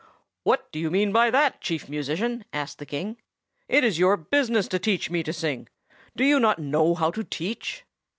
"What do you mean by that, Chief Musician?" asked the King. "It is your business to teach me to sing. Do you not know how to teach?"